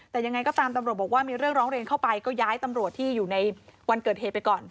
แต่ยังไงก็ตามตำรวจบอกว่ามีเรื่องร้องเรียนเข้าไปก็ย้ายตำรวจที่อยู่ในวันเกิดเหตุไปก่อน